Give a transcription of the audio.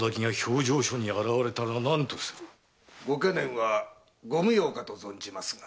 ご懸念はご無用かと存じますが。